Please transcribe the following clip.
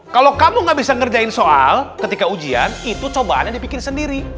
kalau kamu gak bisa ngerjain soal ketika ujian itu cobaannya dipikir sendiri